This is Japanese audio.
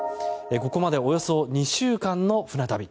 ここまでおよそ２週間の船旅。